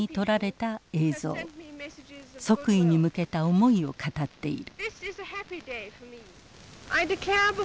即位に向けた思いを語っている。